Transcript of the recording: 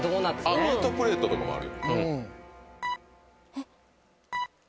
ミートプレートとかもあるよ。